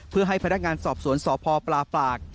เพื่อให้พนักงานสอบสวนสพปลาปาก